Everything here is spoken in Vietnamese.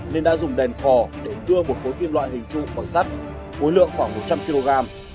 nên đã dùng đèn khò để ứng cưa một phối tiên loại hình trụ bằng sắt phối lượng khoảng một trăm linh kg